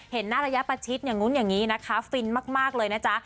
เห็นหน้าระยะประชิดอย่างนู้นอย่างนี้นะคะฟินมากเลยนะจ๊ะ